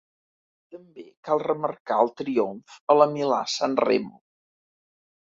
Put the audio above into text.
També cal remarcar el triomf a la Milà-Sanremo.